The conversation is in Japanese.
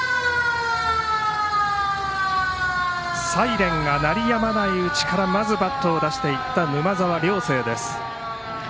サイレンが鳴り止まないうちからまずバットを出していった沼澤梁成です。